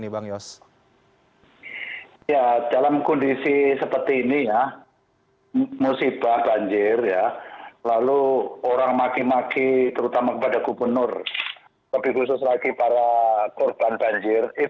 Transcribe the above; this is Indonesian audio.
masyarakat harus bertanggung jawab juga terhadap banjir